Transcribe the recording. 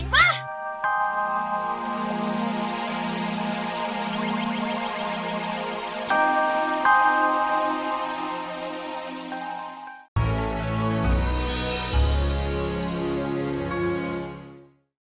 aduh aduh aduh